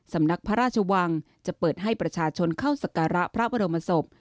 สำนักพระราชวังจะเปิดให้ประชาชนเข้าสการะพระบรมศพ